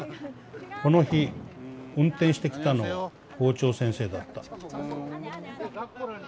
この日運転してきたのは校長先生だった」。